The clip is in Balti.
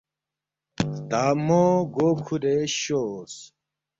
تا مو گو کُھورے شورس